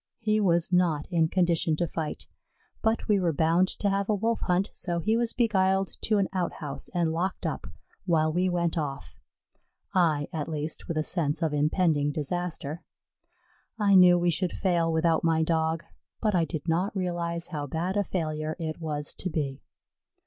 He was not in condition to fight, but we were bound to have a Wolf hunt, so he was beguiled to an outhouse and locked up, while we went off, I, at least, with a sense of impending disaster. I knew we should fail without my Dog, but I did not realize how bad a failure it was to be.